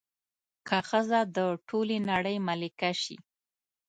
که ښځه د ټولې نړۍ ملکه شي